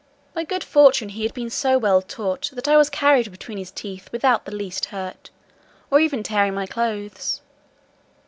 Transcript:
By good fortune he had been so well taught, that I was carried between his teeth without the least hurt, or even tearing my clothes.